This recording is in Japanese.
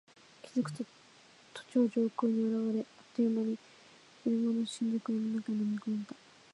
気付くと都庁上空に現れ、あっという間に昼間の新宿を闇の中に飲み込んだ。